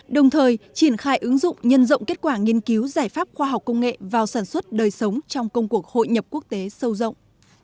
đồng thời triển khai ứng dụng nhân rộng kết quả nghiên cứu giải pháp khoa học công nghệ vào sản xuất đời sống trong công cuộc hội nhập quốc tế sâu rộng